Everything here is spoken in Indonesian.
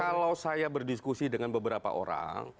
kalau saya berdiskusi dengan beberapa orang